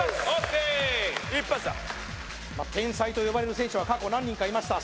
１発だ天才と呼ばれる選手は過去何人かいました